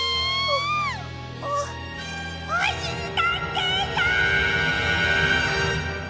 おおおしりたんていさん！